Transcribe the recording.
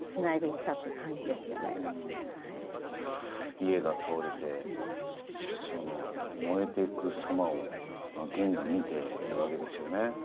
家が倒れて燃えていく様をゲンが見ているわけですよね。